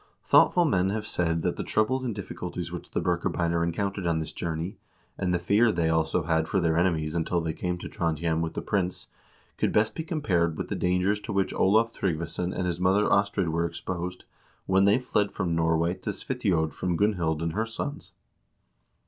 " Thoughtful men have said that the troubles and difficulties which the Birkebeiner encountered on this journey, and the fear they also had for their enemies until they came to Trondhjem with the prince, could best be compared with the dangers to which Olav Tryggvason and his mother Astrid were exposed when they fled from Norway to Svitiod from Gunhild and her sons."